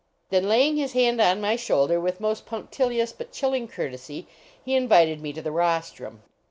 Then laying his hand on my shoulder, with most punctilious but chilling courtesy, he in vited me to the rostrum.